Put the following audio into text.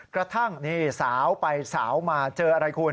กระทั่งนี่สาวไปสาวมาเจออะไรคุณ